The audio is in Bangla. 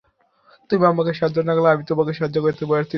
তুমি আমাকে সাহায্য না করলে আমি তোমাকে সাহায্য করতে পারছি না।